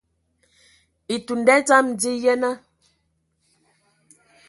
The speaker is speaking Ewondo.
Etun nda dzam dzina, yenə.